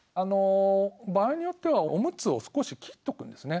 場合によってはオムツを少し切っとくんですね。